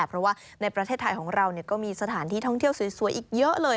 เพราะว่าในประเทศไทยของเราก็มีสถานที่ท่องเที่ยวสวยอีกเยอะเลย